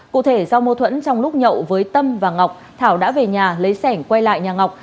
cụ thể do mâu thuẫn trong lúc nhậu với tâm và ngọc thảo đã về nhà lấy sẻng quay lại nhà ngọc